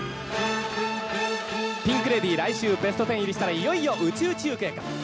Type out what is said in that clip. ピンク・レディー来週、ベスト１０入りしたらいよいよ宇宙中継と。